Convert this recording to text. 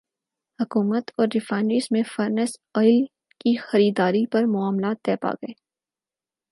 حکومت اور ریفائنریز میں فرنس ئل کی خریداری پر معاملات طے پاگئے